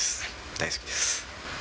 大好きです。